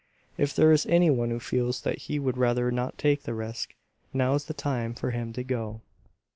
If there is any one who feels that he would rather not take the risk, now is the time for him to go."